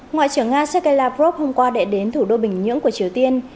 ngoại trưởng nga sergei lavrov hôm qua đệ đến thủ đô bình nhưỡng của triều tiên